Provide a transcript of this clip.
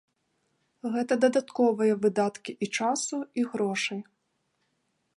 Гэта дадатковыя выдаткі і часу, і грошай.